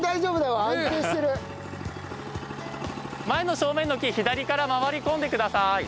前の正面の木左から回り込んでください。